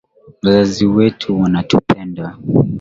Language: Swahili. Wazazi wetu wanatupenda